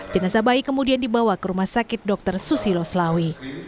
jenazah bayi kemudian dibawa ke rumah sakit dr susilo selawi